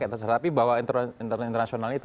tapi bahwa internasional itu